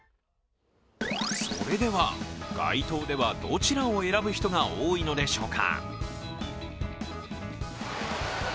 それでは、街頭ではどちらを選ぶ人が多いのでしょうか。